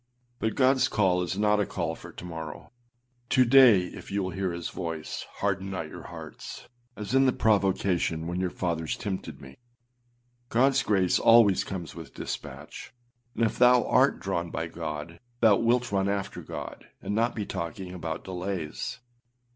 But Godâs call is not a call for to morrow. âTo day if ye will hear his voice, harden not your hearts: as in the provocation, when your fathers tempted me.â Godâs grace always comes with dispatch; and if thou art drawn by God, thou wilt run after God, and not be talking about delays.